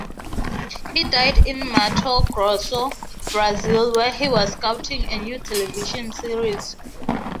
He died in Mato Grosso, Brazil where he was scouting a new television series.